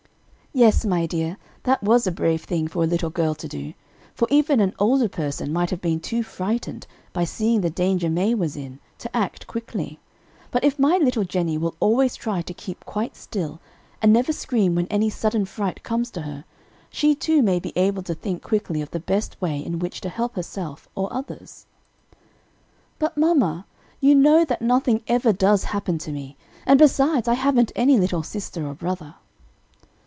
"Yes, my dear, that was a brave thing for a little girl to do, for even an older person might have been too frightened by seeing the danger May was in, to act quickly; but if my little Jennie will always try to keep quite still, and never scream when any sudden fright comes to her, she too may be able to think quickly of the best way in which to help herself or others." [Illustration: "Susy Chrystie saved her little sister's life."] "But, mamma, you know that nothing ever does happen to me; and besides, I haven't any little sister or brother."